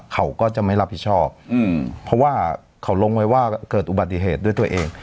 เขาก็จะไม่รับผิดชอบเพราะว่าเขาลงไว้ว่าเกิดอุบัติเหตุด้วยตัวเอง